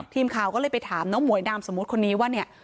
ทีมข่าวก็เลยไปถามน้องหมวยนามสมมุติคนนี้ว่าเนี่ย